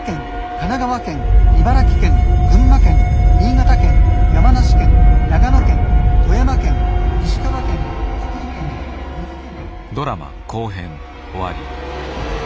神奈川県茨城県群馬県新潟県山梨県長野県富山県石川県福井県岐阜県」。